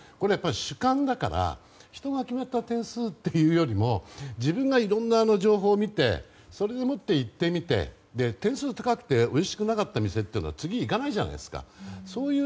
主観だから人が決めた点数というよりも自分がいろんな情報を見てそれをもって行ってみて点数が高くておいしくなかった店って次、行かないじゃないですか。